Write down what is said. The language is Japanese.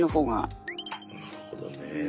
なるほどね。